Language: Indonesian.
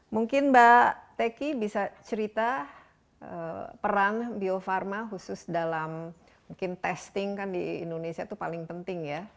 mungkin mbak teki bisa cerita peran bio farma khusus dalam mungkin testing kan di indonesia itu paling penting ya